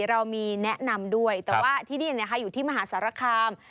เรามีแนะนำด้วยแต่ว่าที่นี่นะคะอยู่ที่มหาสารคาม